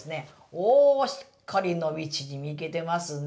おおしっかり伸び縮みいけてますね。